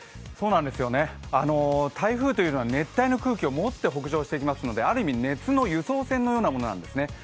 台風というのは熱帯の空気を持って北上してきますのである意味、熱の輸送船みたいなものなんですね。